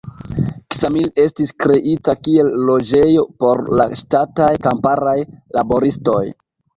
Ksamil estis kreita kiel loĝejo por la ŝtataj kamparaj laboristoj.